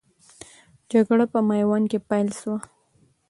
جګړه په میوند کې پیل سوه.